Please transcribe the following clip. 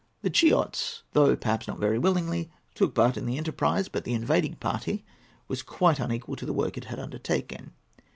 The Chiots, though perhaps not very willingly, took part in the enterprise; but the invading party was quite unequal to the work it had undertaken.